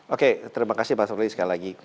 oke terima kasih pak sorry sekali lagi